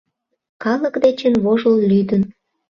Калык дечын вожыл, лӱдын.